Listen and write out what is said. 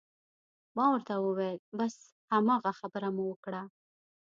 ما ورته وویل: بس هماغه خبره مو وکړه.